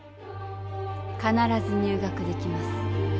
かならず入学できます。